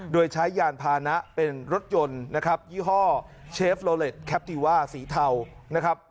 โดยใช้ยานพานะเป็นรถยนต์นะครับยี่ห้อเชฟโลเล็ตแคปติว่าสีเทานะครับ